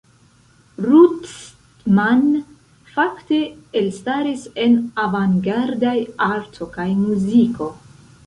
Ruttmann fakte elstaris en avangardaj arto kaj muziko.